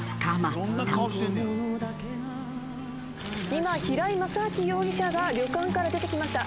今平井まさあき容疑者が旅館から出てきました。